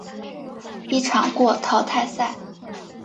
一场过淘汰赛。